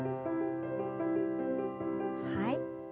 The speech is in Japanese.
はい。